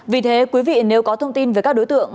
vì thế quý vị nếu có thông tin về các đối tượng